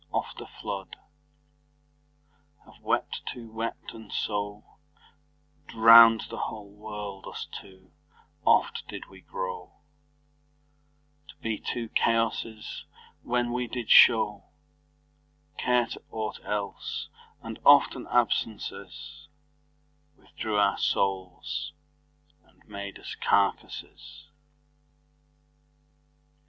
Oft a flood Have wee two wept, and so Drownd the whole world, us two; oft did we grow To be two Chaosses, when we did show Care to ought else; and often absences Withdrew our soules, and made us carcasses.